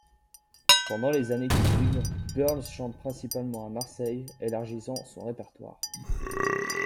Pendant les années qui suivent, Burles chante principalement à Marseille, élargissant son répertoire.